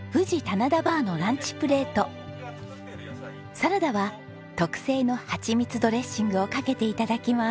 サラダは特製のハチミツドレッシングをかけて頂きます。